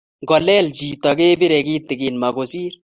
ngolel chitok kepirei kitikin makosir